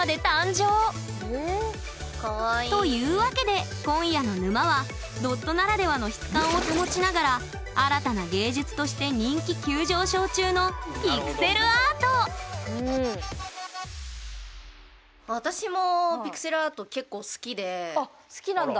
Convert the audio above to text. というわけで今夜の沼はドットならではの質感を保ちながら新たな芸術分野として人気急上昇中の私もあっ好きなんだ。